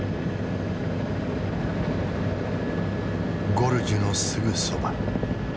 ゴルジュのすぐそば。